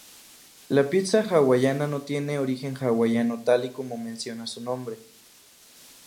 La pizza hawaiana no tiene origen hawaiano tal y como menciona su nombre.